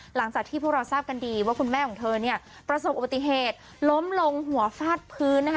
หลังจากที่พวกเราทราบกันดีว่าคุณแม่ของเธอเนี่ยประสบอุบัติเหตุล้มลงหัวฟาดพื้นนะคะ